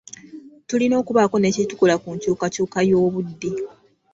Tulina okubaako ne kye tukola ku nkyukakyuka y'obudde